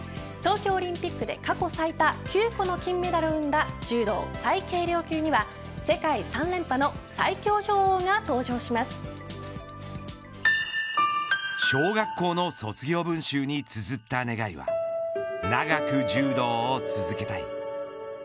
１８日連続でお届けする第２回東京オリンピックで過去最多９個の金メダルを生んだ柔道最軽量級には世界３連覇の小学校の卒業文集につづった願いは長く柔道を続けたい。